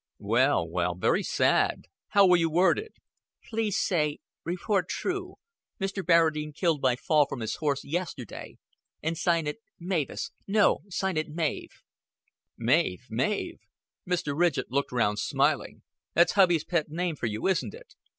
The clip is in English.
"Well, well very sad. How will you word it?" "Please say 'Report true. Mr. Barradine killed by fall from his horse yesterday.' And sign it 'Mavis.' No, sign it 'Mav.'" "Mav! Ma v!" Mr. Ridgett looked round, smiling. "That's hubby's pet name for you, isn't it?